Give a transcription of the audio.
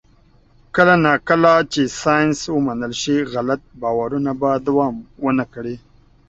کله نا کله چې ساینس ومنل شي، غلط باورونه به دوام ونه کړي.